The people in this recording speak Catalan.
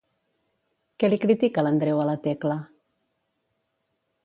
Què li critica l'Andreu a la Tecla?